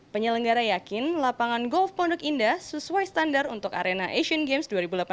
penyelenggara yakin lapangan golf pondok indah sesuai standar untuk arena asian games dua ribu delapan belas